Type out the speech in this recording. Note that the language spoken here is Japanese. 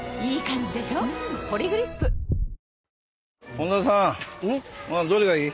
本田さんどれがいい？